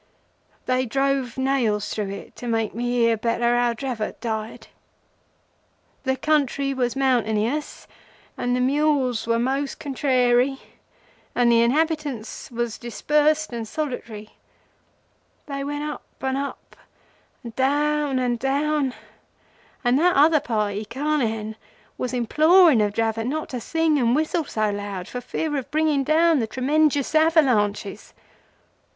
They drove nails through it to make me hear better how Dravot died. The country was mountainous and the mules were most contrary, and the inhabitants was dispersed and solitary. They went up and up, and down and down, and that other party Carnehan, was imploring of Dravot not to sing and whistle so loud, for fear of bringing down the tremenjus avalanches.